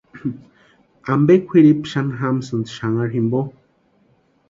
¿Ampe kwʼiripu xani jamasïnki xanharu jimpo?